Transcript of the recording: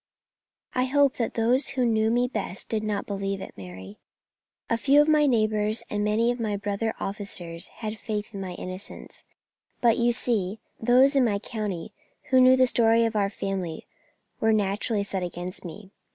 "I hope that those who knew me best did not believe it, Mary. A few of my neighbours and many of my brother officers had faith in my innocence; but, you see, those in the county who knew the story of our family were naturally set against me.